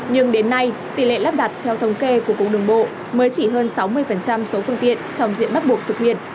nhưng đến nay tỷ lệ lắp đặt theo thống kê của cục đường bộ mới chỉ hơn sáu mươi số phương tiện trong diện bắt buộc thực hiện